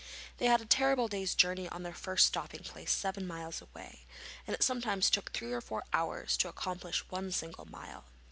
They had a terrible day's journey to their first stopping place seven miles away, and it sometimes took three or four hours to accomplish one single mile.